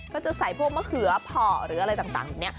ก็จะใส่พวกมะเขือเพาะหรืออะไรต่างแบบนี้